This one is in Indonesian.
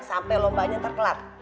sampai lombanya ntar kelar